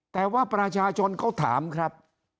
แต่ว่าประชาชนเขาถามครับ